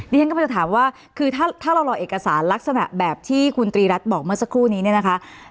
ฉันกำลังจะถามว่าคือถ้าเรารอเอกสารลักษณะแบบที่คุณตรีรัฐบอกเมื่อสักครู่นี้เนี่ยนะคะ